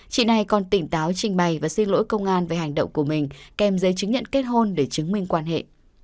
chị này còn tỉnh táo trình bày và xin lỗi công an về hành động của mình kèm giấy chứng nhận kết hôn để chứng minh quan hệ